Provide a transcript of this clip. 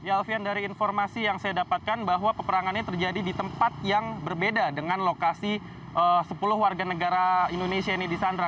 ya alfian dari informasi yang saya dapatkan bahwa peperangannya terjadi di tempat yang berbeda dengan lokasi sepuluh warga negara indonesia ini di sandra